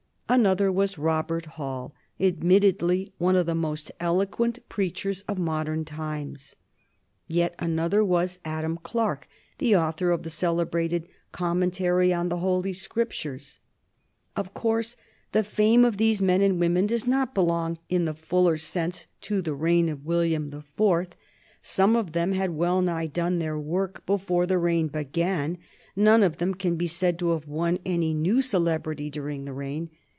Another was Robert Hall, admittedly one of the most eloquent preachers of modern times. Yet another was Adam Clarke, the author of the celebrated "Commentary on the Holy Scriptures." Of course the fame of these men and women does not belong in the fuller sense to the reign of William the Fourth. Some of them had wellnigh done their work before the reign began, none of them can be said to have won any new celebrity during the reign.